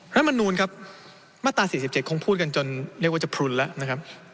รัฐมนูลครับมาตรา๔๗คงพูดกันจนเรียกว่าจะพลุนแล้วนะครับ